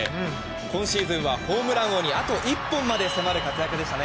今シーズンはホームラン王にあと１本まで迫る活躍でしたね